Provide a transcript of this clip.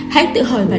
hãy tự hỏi bạn